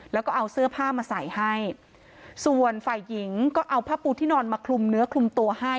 แล้วก็เอาเสื้อผ้ามาใส่ให้ส่วนฝ่ายหญิงก็เอาผ้าปูที่นอนมาคลุมเนื้อคลุมตัวให้